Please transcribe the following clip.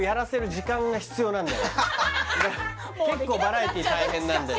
結構バラエティー大変なんだよ